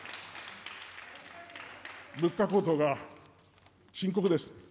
物価高騰が深刻です。